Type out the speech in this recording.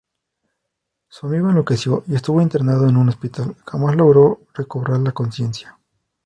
Su amigo enloqueció y estuvo internado en un hospital, jamás logró recobrar la consciencia.